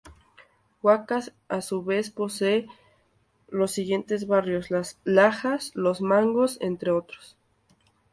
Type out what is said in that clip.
Huacas, a su vez, posee los siguientes barrios: Las Lajas, Los Mangos entre otros.